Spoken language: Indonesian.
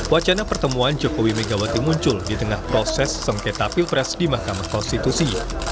wacana pertemuan jokowi megawati muncul di tengah proses sengketa pilpres di mahkamah konstitusi